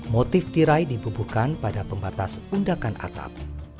motif tirai dibubuhkan pada pembatas undakan atap